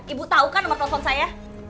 ibu tahu kan nomor telepon saya